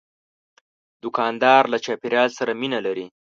دوکاندار له چاپیریال سره مینه لري.